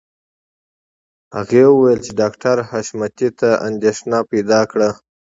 هغې وویل چې ډاکټر حشمتي ته اندېښنه پیدا کړه